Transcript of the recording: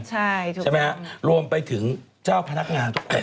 ใช่ใช่ไหมรวมไปถึงเจ้าพนักงานทุกคน